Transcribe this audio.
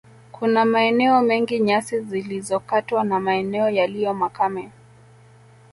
Kuna maeneo mengi nyasi zilikokatwa na maeneo yaliyo makame